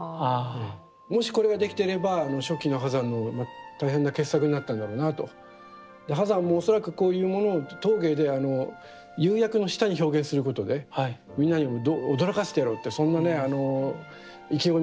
もしこれができていれば初期の波山の大変な傑作になったんだろうなと。で波山も恐らくこういうものを陶芸で釉薬の下に表現することでみんなを驚かしてやろうってそんなね意気込みもあったと思いますけれども。